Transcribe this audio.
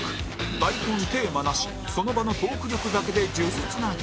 台本テーマなしその場のトーク力だけで数珠つなぎ